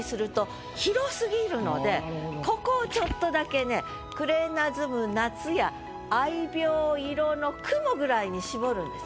ここをちょっとだけね「暮れなずむ夏や愛猫色の雲」ぐらいに絞るんです。